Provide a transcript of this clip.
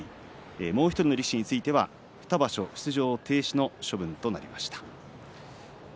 もう１人の力士については２場所出場停止の処分となりました。